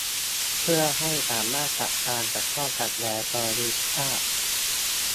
เพื่อให้สามารถจัดการกับข้อขัดแย้งกรณีพิพาท